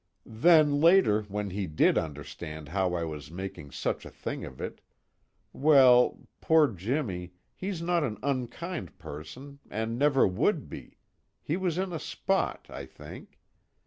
_) "Then later when he did understand how I was making such a thing of it well, poor Jimmy, he's not an unkind person and never would be, he was in a spot, I think.